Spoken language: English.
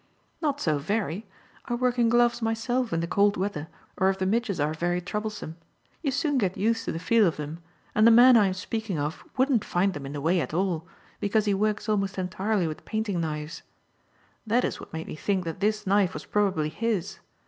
"Not so very. I work in gloves myself in the cold weather or if the midges are very troublesome. You soon get used to the feel of them; and the man I am speaking of wouldn't find them in the way at all because he works almost entirely with painting knives. That is what made me think that this knife was probably his.